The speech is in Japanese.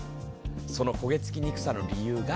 その焦げ付きにくさの理由が。